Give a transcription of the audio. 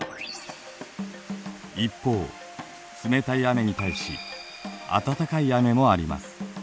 一方冷たい雨に対し暖かい雨もあります。